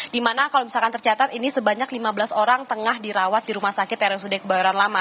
di mana kalau misalkan tercatat ini sebanyak lima belas orang tengah dirawat di rumah sakit rsud kebayoran lama